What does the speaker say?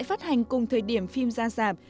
phát hành cùng thời điểm phim ra giảm